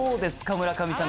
村上さん